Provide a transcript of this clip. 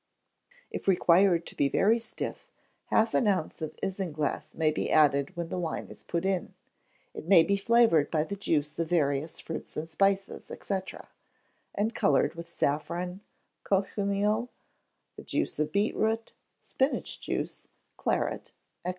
If required to be very stiff, half an ounce of isinglass may be added when the wine is put in. It may be flavoured by the juice of various fruits and spices, &c., and coloured with saffron, cochineal, the juice of beetroot, spinach juice, claret, &c.